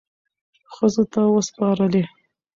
ښځو ته وسپارلې،